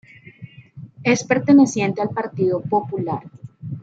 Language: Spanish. Es perteneciente al Partido Popular.